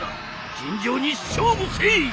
尋常に勝負せい！